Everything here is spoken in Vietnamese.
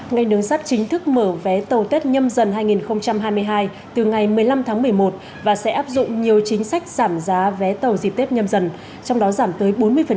ngành đường sắt chính thức mở vé tàu tết nhâm dần hai nghìn hai mươi hai từ ngày một mươi năm tháng một mươi một và sẽ áp dụng nhiều chính sách giảm giá vé tàu dịp tết nhâm dần trong đó giảm tới bốn mươi